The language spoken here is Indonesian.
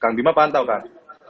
kang bima pantau kan